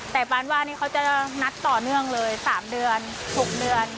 แต่บานว่านี่เขาจะนัดต่อเนื่องเลย๓เดือน๖เดือน